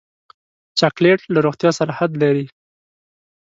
چاکلېټ له روغتیا سره حد لري.